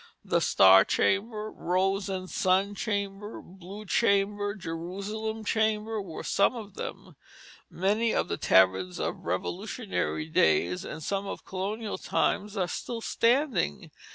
The Star Chamber, Rose and Sun Chamber, Blue Chamber, Jerusalem Chamber, were some of them. Many of the taverns of Revolutionary days and some of colonial times are still standing.